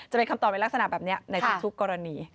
จะเป็นคำตอบในลักษณะแบบนี้ในทุกกรณี